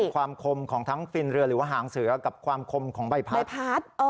ความคมของทั้งฟินเรือหรือว่าหางเสือกับความคมของใบพัดใบพัด